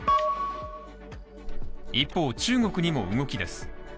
一方、中国にも動きです。